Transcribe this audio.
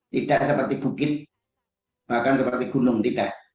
tidak seperti bukit bahkan seperti gunung tidak